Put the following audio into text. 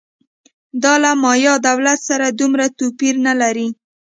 دا له مایا دولت سره دومره توپیر نه لري